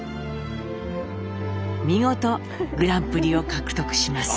見事グランプリを獲得します。